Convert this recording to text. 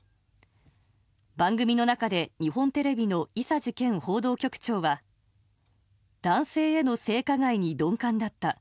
番組の中で、日本テレビの伊佐治健報道局長は男性への性加害に鈍感だった。